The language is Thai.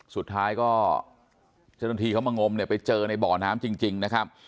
สุดท้ายก็เจ้าหน้าที่เขามางมเนี่ยไปเจอในบ่อน้ำจริงนะครับ